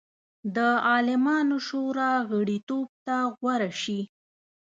د عالمانو شورا غړیتوب ته غوره شي.